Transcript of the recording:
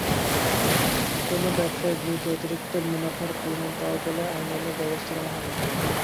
কোনো ব্যবসায়ীর বিরুদ্ধে অতিরিক্ত মুনাফার প্রমাণ পাওয়া গেলে আইনানুগ ব্যবস্থা নেওয়া হবে।